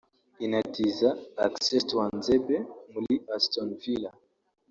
inatiza Axel Tuanzebe muri Aston Villa